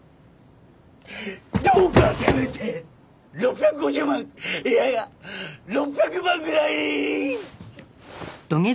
どうかせめて６５０万いやいや６００万ぐらいに！